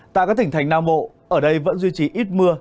tại các tỉnh thành nam bộ ở đây vẫn duy trì ít mưa